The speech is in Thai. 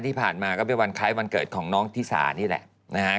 ที่ผ่านมาก็เป็นวันคล้ายวันเกิดของน้องธิสานี่แหละนะฮะ